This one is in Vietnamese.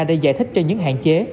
để giải thích cho những hạn chế